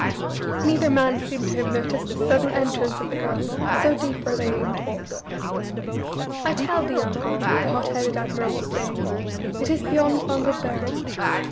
Neither man seemed to have noticed the sudden entrance of the girl, so deep were they in talk. "I tell thee, uncle," the hot headed admiral was saying, "it is beyond longer bearing.